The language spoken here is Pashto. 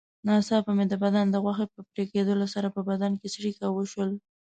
ناڅاپه مې د بدن د غوښې په پرېکېدلو سره په بدن کې څړیکه وشول.